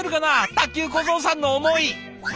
卓球小僧さんの思い！